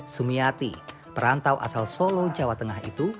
sumiati perantau asal solo jawa tengah itu